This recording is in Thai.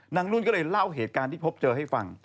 นุ่นก็เลยเล่าเหตุการณ์ที่พบเจอให้ฟัง